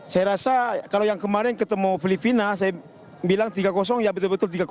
saya rasa kalau yang kemarin ketemu filipina saya bilang tiga ya betul betul tiga